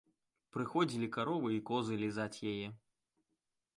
Прыходзілі каровы і козы лізаць яе.